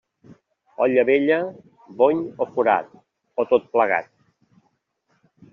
Olla vella, bony o forat, o tot plegat.